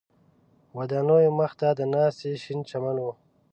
ودانیو مخ ته د ناستي شین چمن و.